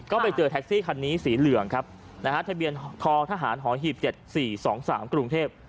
ก็ไปเจอแท็กซี่คันนี้สีเหลืองครับนะฮะทะเบียนททหารหอหีบ๗๔๒๓กรุงเทพ